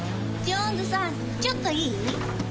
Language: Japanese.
ジョーンズさんちょっといい？